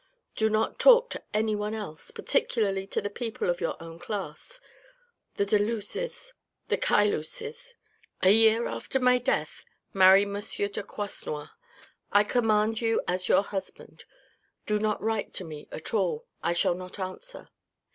Do not talk to anyone else, particularly to the people of your own class — the de Luz's, the Caylus's. A year after my death, marry M. de Croisenois ; I command you as your husband. Do not write to me at all, I shall not answer.